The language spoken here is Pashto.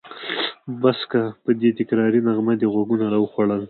بس که! په دې تکراري نغمه دې غوږونه راوخوړل.